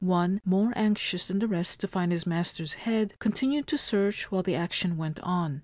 One, more anxious than the rest to find his master's head, continued to search while the action went on.